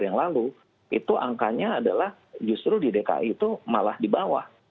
yang lalu itu angkanya adalah justru di dki itu malah di bawah